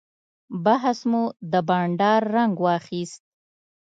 بحث مو د بانډار رنګ واخیست.